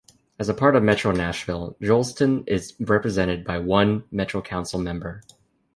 As a part of Metro Nashville, Joelton is represented by one Metro Council member.